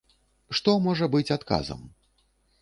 Што можа быць адказам?